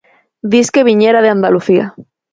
Disque viñera de Andalucía.